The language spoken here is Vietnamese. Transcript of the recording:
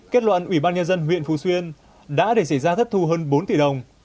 kết luận ủy ban nhân dân huyện phú xuyên đã để xảy ra thất thu hơn bốn tỷ đồng